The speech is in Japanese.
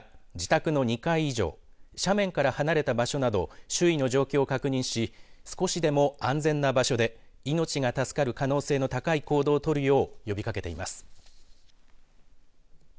近くの建物や自宅の２階以上斜面から離れた場所など周囲の状況を確認し少しでも安全な場所で命が助かる可能性の高い行動を取るよう呼びかけています。